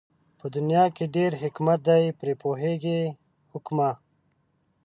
په دنيا کې ډېر حکمت دئ پرې پوهېږي حُکَما